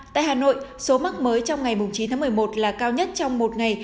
tại hà nội số mắc mới trong ngày chín tháng một mươi một là cao nhất trong một ngày